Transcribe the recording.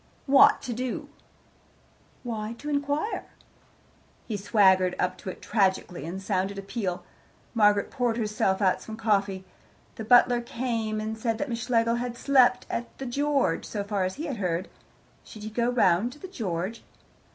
"What to do?" "Why, to inquire." He swaggered up to it tragically, and sounded a peal. Margaret poured herself out some coffee. The butler came, and said that Miss Schlegel had slept at the George, so far as he had heard. Should he go round to the George?